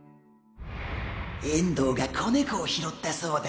遠藤が子猫を拾ったそうだ。